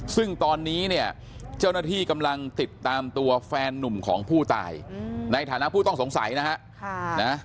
ซึ่งตอนนี้เนี่ยเจ้าหน้าที่กำลังติดตามตัวแฟนนุ่มของผู้ตายในฐานะผู้ต้องสงสัยนะฮะ